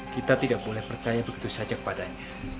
kita tidak boleh percaya begitu saja kepadanya